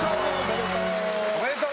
おめでとう！